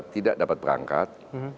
tidak dapat berangkat